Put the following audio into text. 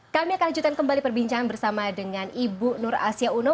kami akan lanjutkan kembali perbincangan bersama dengan ibu nur asia uno